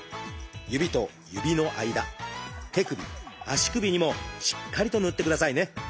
指と指の間手首足首にもしっかりと塗ってくださいね。